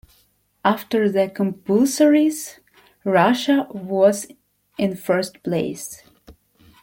After the compulsories, Russia was in first place.